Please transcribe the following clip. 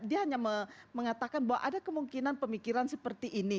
dia hanya mengatakan bahwa ada kemungkinan pemikiran seperti ini